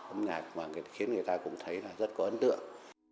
âm nhạc mà khiến người ta cũng thấy là rất có ấn tượng